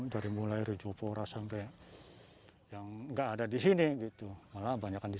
dari mulai rejopora sampai yang gak ada di sini gitu malah banyak di sana